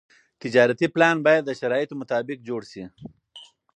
تجارتي پلان باید د شرایطو مطابق جوړ شي.